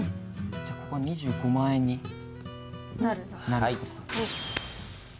じゃあここ２５万円になるって事だ。